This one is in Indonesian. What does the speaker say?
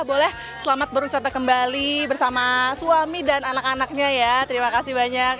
boleh selamat berwisata kembali bersama suami dan anak anaknya ya terima kasih banyak